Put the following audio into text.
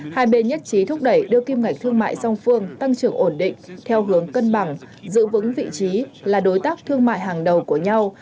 hai bên nhất trí thúc đẩy đưa kim ngạch thương mại song phương tăng trưởng ổn định theo hướng cân bằng giữ vững vị trí là đối tác thương mại hàng đầu của nhau